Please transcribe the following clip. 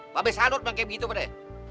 mbak be sadut pake begitu pede